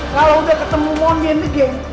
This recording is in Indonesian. kalau udah ketemu mondi and the gang